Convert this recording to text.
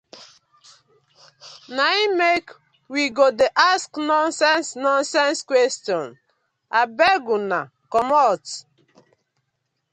Na im mek we go dey ask nonsense nonsense question, abeg una komot.